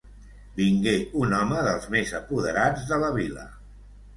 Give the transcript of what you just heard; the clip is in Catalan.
Vingué un home dels més apoderats de la vila.